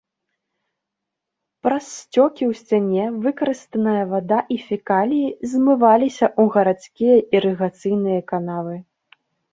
Праз сцёкі ў сцяне выкарыстаная вада і фекаліі змываліся ў гарадскія ірыгацыйныя канавы.